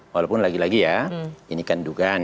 walaupun lagi lagi ya ini kan dugaan